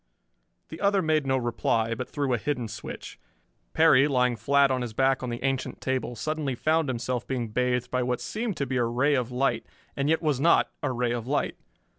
The other made no reply, but threw a hidden switch. Perry, lying flat on his back on the ancient table, suddenly found himself being bathed by what seemed to be a ray of light, and yet was not a ray of light.